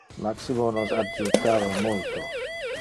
Maximo nos adjutava multo.